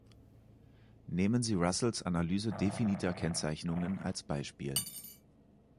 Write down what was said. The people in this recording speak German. Nehmen Sie Russells Analyse definiter Kennzeichnungen als Beispiel.